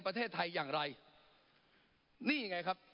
ปรับไปเท่าไหร่ทราบไหมครับ